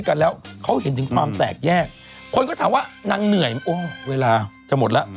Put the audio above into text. คนก็ถามว่านางเหนื่อยโอ้เวลาจะหมดละ